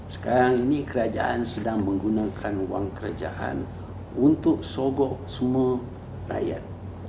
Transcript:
sekarang ini kerajaan sedang menggunakan uang kerajaan untuk sogok semua rakyat